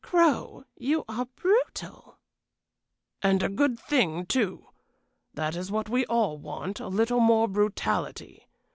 "Crow, you are brutal." "And a good thing, too. That is what we all want, a little more brutality.